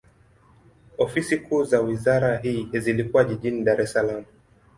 Ofisi kuu za wizara hii zilikuwa jijini Dar es Salaam.